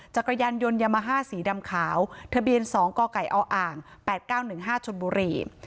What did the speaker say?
จักรยานยนต์ยามาฮ่าสีดำขาวทะเบียน๒กกออ่าง๘๙๑๕ชนบุรี